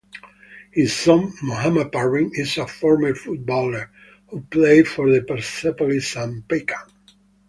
His son, Mohammad Parvin is a former footballer who played for Persepolis and Paykan.